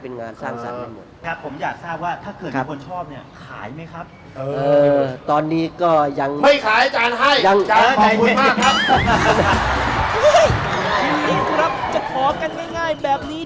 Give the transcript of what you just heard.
ผมอยากทราบว่าถ้าเกิดมีคนชอบเนี่ย